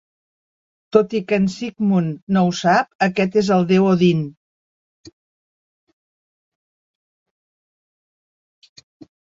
Tot i que en Sigmund no ho sap, aquest és el deu Odin.